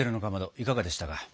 いかがでしたか。